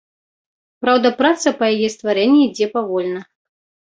Праўда, праца па яе стварэнні ідзе павольна.